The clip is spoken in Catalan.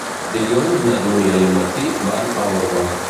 Dilluns na Dúnia i en Martí van a Orba.